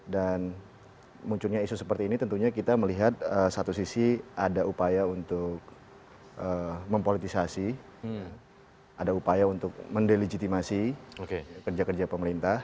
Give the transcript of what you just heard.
dan munculnya isu seperti ini tentunya kita melihat satu sisi ada upaya untuk mempolitisasi ada upaya untuk mendeligitimasi kerja kerja pemerintah